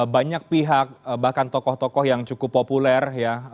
banyak pihak bahkan tokoh tokoh yang cukup populer ya